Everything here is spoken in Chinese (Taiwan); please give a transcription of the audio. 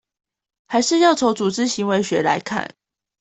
還是要從「組織行為學」來看